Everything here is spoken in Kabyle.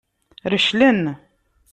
Reclen.